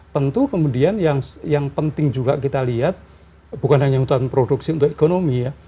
tentu kemudian yang penting juga kita lihat bukan hanya hutan produksi untuk ekonomi ya